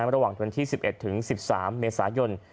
ระหว่างวันที่๑๑ถึง๑๓เมษายน